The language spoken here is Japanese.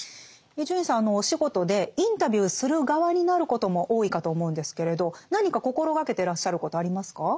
伊集院さんはお仕事でインタビューする側になることも多いかと思うんですけれど何か心掛けてらっしゃることありますか？